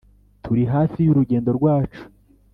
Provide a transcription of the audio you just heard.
turi hafi y'urugendo rwacu,